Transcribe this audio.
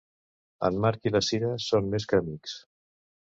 En Marc i la Sira són més que amics.